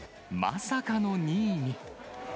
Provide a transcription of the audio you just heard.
まさかの２位に。